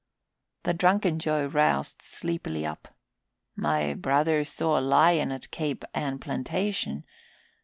The drunken Joe roused sleepily up. "My brother saw a lion at Cape Ann plantation.